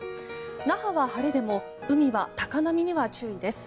那覇は晴れでも海は高波には注意です。